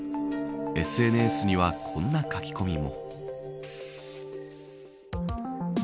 ＳＮＳにはこんな書き込みも。